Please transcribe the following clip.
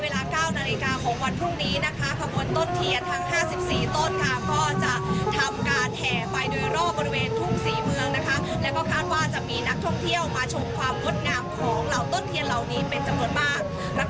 และในเวลา๙นาทีนะครับ